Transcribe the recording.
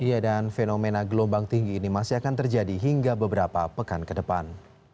iya dan fenomena gelombang tinggi ini masih akan terjadi hingga beberapa pekan ke depan